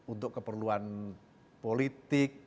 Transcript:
untuk keperluan politik